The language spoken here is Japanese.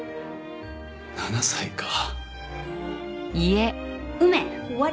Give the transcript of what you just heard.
７歳か。